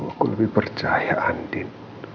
aku lebih percaya andin